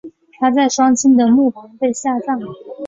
她在双亲的墓旁被下葬。